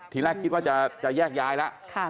ทีแรกคิดว่าจะแยกย้ายแล้ว